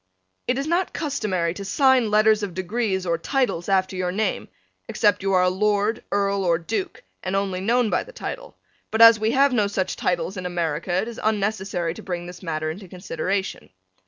It is not customary to sign letters of degrees or titles after your name, except you are a lord, earl or duke and only known by the title, but as we have no such titles in America it is unnecessary to bring this matter into consideration.